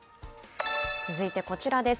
続いてこちらです。